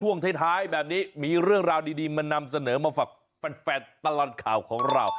ช่วงท้ายแบบนี้มีเรื่องราวดีมานำเสนอมาฝากแฟนตลอดข่าวของเรา